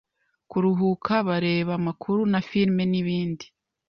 kuruhuka bareba amakuru na filime n’ibindi.